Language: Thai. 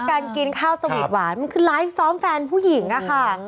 การกินข้าวสวีทหวานมันคือไลฟ์ซ้อมแฟนผู้หญิงอะค่ะ